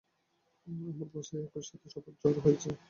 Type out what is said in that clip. আমার বাসায় একই সাথে সবার জ্বর হয়েছে।